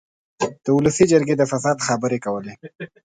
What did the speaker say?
د اولسي جرګې د فساد خبرې کولې.